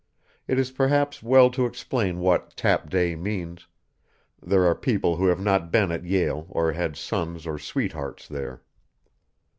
It is perhaps well to explain what "Tap Day" means; there are people who have not been at Yale or had sons or sweethearts there.